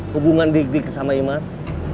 hubungan dik dik sama imas